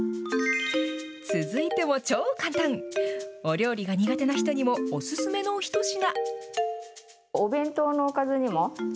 続いても超簡単、お料理が苦手な人にもお勧めの一品。